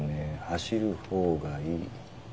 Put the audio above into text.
走る方がいい」。